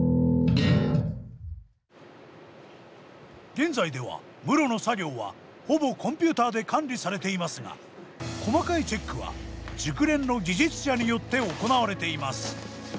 現在では室の作業はほぼコンピューターで管理されていますが細かいチェックは熟練の技術者によって行われています。